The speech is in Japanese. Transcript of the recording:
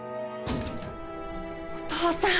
お父さん。